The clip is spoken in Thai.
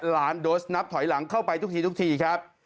๑๐๐ล้านโดสนับถอยหลังเข้าไปทุกทีครับ